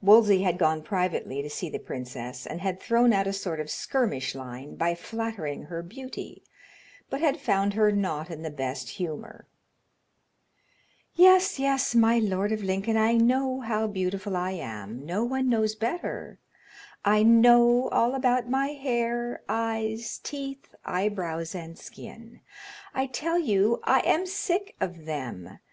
Wolsey had gone privately to see the princess, and had thrown out a sort of skirmish line by flattering her beauty, but had found her not in the best humor. "Yes, yes, my lord of Lincoln, I know how beautiful I am; no one knows better; I know all about my hair, eyes, teeth, eyebrows and skin. I tell you I am sick of them.